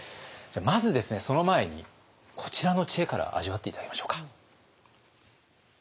じゃあまずその前にこちらの知恵から味わって頂きましょうか。